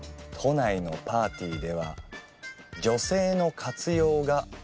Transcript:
都内のパーティーでは女性の活用が。